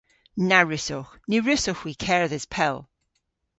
Na wrussowgh. Ny wrussowgh hwi kerdhes pell.